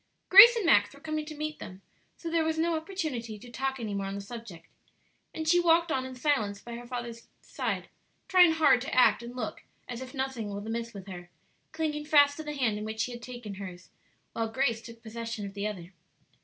Grace and Max were coming to meet them, so there was no opportunity to talk any more on the subject, and she walked on in silence by her father's side, trying hard to act and look as if nothing was amiss with her, clinging fast to the hand in which he had taken hers, while Grace took possession of the other.